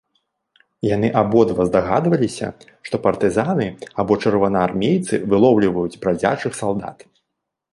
Яны абодва здагадваліся, што партызаны або чырвонаармейцы вылоўліваюць брадзячых салдат.